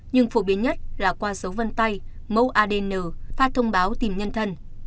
nhưng phổ biến nhất là qua dấu vân tay mẫu adn phát thông báo tìm nhân thân